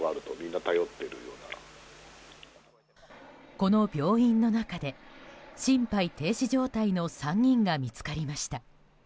この病院の中で心肺停止状態の３人が見つかりました。